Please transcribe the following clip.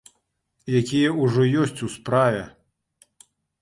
Якія ўжо ёсць у справе.